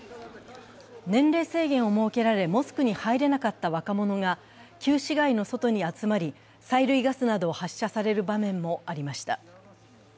年齢制限を設けられモスクに入れなかった若者が旧市街の外に集まり、催涙ガスなどを発射される場面もありました。